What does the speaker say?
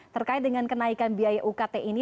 terkait dengan kenaikan biaya ukt ini